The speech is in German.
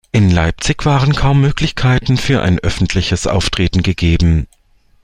In Leipzig waren kaum Möglichkeiten für ein öffentliches Auftreten gegeben.